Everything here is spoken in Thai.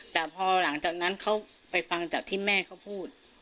แต่พอหลังจากนั้นเขาไปฟังจากที่แม่เขาพูด